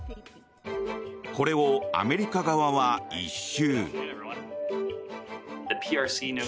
これをアメリカ側は一蹴。